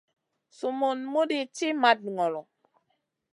Sumun muɗi ci mat ŋolo.